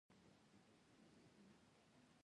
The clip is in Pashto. د جنګ له کبله ماشومان بې له ګناه قرباني کېږي.